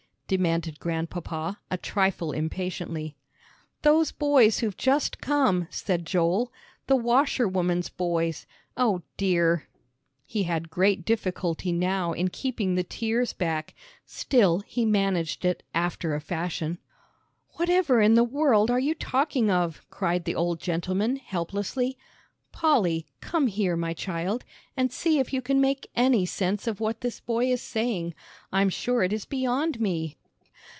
demanded Grandpapa, a trifle impatiently. "Those boys who've just come," said Joel, "the washerwoman's boys. O dear!" He had great difficulty now in keeping the tears back; still, he managed it after a fashion. "Whatever in the world are you talking of?" cried the old gentleman, helplessly. "Polly, come here, my child, and see if you can make any sense of what this boy is saying. I'm sure it is beyond me."